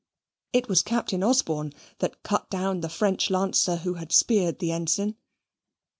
It was Captain Osborne that cut down the French lancer who had speared the ensign.